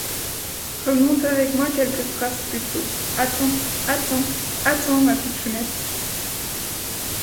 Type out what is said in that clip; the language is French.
Remonte avec moi quelques phrases plus tôt :— Attends, attends, attends ma pitchounette.